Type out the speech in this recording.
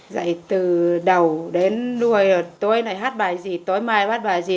dạy từ đầu đến nuôi tối này hát bài gì tối mai hát bài gì